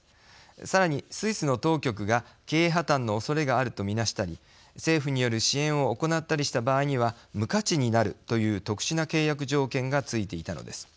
さらにスイスの当局が経営破綻のおそれがあると見なしたり政府による支援を行ったりした場合には無価値になるという特殊な契約条件がついていたのです。